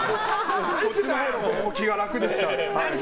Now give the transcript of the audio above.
そっちのほうが気が楽でした。